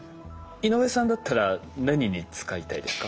井上さんだったら何に使いたいですか？